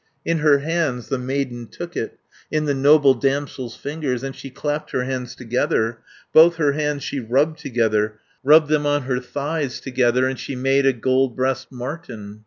"In her hands the maiden took it In the noble damsel's fingers, And she clapped her hands together, Both her hands she rubbed together, Rubbed them on her thighs together, And she made a gold breast marten.